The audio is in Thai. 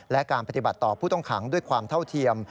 และการปฏิบัติต่อผู้ต้องขังด้วยความเท่าเทียม